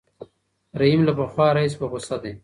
رحیم له پخوا راهیسې په غوسه دی.